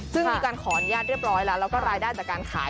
ซึ่งมีการขออนุญาตเรียบร้อยแล้วแล้วก็รายได้จากการขาย